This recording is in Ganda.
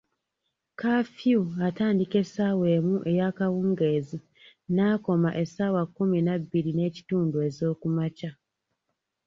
Kaafiyu atandika essaawa emu eyakawungeezi n'akoma essaawa kkumi na bbiri n'ekitundu ezookumakya.